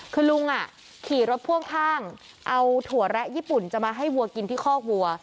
คือลุงขี่รถพ่วงข้างเอาถั่วแระญี่ปุ่นจะมาให้วัวกินที่คอกวัว